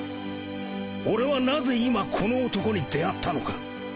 俺はなぜ今この男に出会ったのか